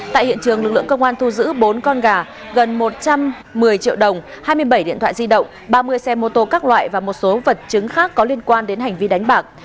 tại hiện trường lực lượng công an thu giữ bốn con gà gần một trăm một mươi triệu đồng hai mươi bảy điện thoại di động ba mươi xe mô tô các loại và một số vật chứng khác có liên quan đến hành vi đánh bạc